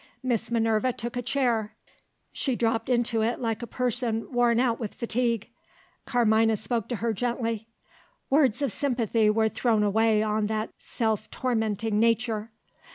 Miss Minerva took a chair: she dropped into it like a person worn out with fatigue. Carmina spoke to her gently. Words of sympathy were thrown away on that self tormenting nature.